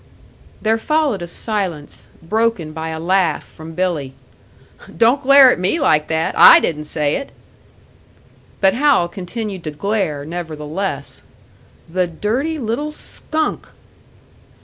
There followed a silence, broken by a laugh from Billy. "Don't glare at me like that. I didn't say it!" But Hal continued to glare, nevertheless. "The dirty little skunk!"